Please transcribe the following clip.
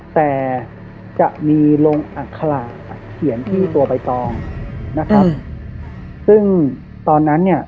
แต่จะมีลงอัคระเขียนที่ตัวใบตองนะครับซึ่งตอนนั้นเนี่ย